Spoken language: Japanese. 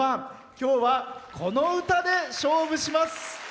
今日はこの歌で勝負します。